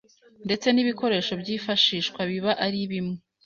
ndetse n'ibikoresho byifashishwa biba ari bimwe